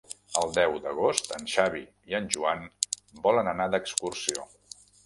El deu d'agost en Xavi i en Joan volen anar d'excursió.